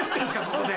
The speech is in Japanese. ここで。